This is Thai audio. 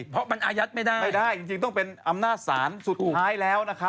เพราะมันอายัดไม่ได้ไม่ได้จริงต้องเป็นอำนาจศาลสุดท้ายแล้วนะครับ